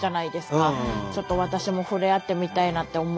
ちょっと私もふれあってみたいなって思いました。